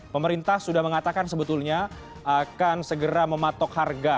pemerintah sudah mengatakan sebetulnya akan segera mematok harga